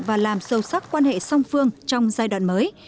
và làm sâu sắc quan hệ song phương trong giai đoạn mới